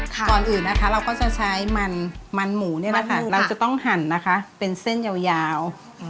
ก่อนอื่นนะคะเราก็จะใช้มันหมูเนี่ยนะคะเราจะต้องหั่นนะคะเป็นเส้นยาว